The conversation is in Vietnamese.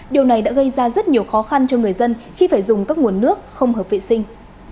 điều này đã gây ra rất nhiều khó khăn cho người dân khi phải dùng các nguồn nước không hợp vệ sinh